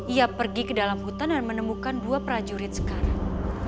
ia pergi ke dalam hutan dan menemukan dua prajurit sekarang